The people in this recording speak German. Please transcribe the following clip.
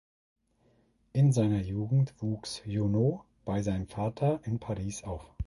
In seiner Jugend wuchs Junot bei seinem Vater in Paris auf.